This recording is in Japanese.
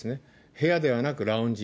部屋ではなくラウンジ。